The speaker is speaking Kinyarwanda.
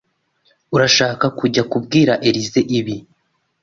Urashaka kujya kubwira Elyse ibi?